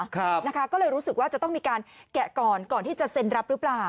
ก็เลยรู้สึกว่าจะต้องมีการแกะก่อนก่อนที่จะเซ็นรับหรือเปล่า